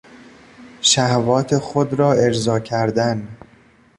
شهوات خود را ارضا کردن